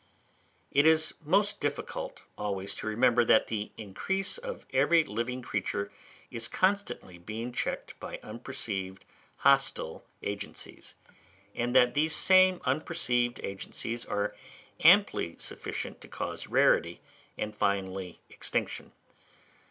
It is most difficult always to remember that the increase of every living creature is constantly being checked by unperceived hostile agencies; and that these same unperceived agencies are amply sufficient to cause rarity, and finally extinction.